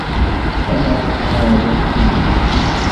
وَأَنَّ اعْتِقَادَهُ حُجَّةٌ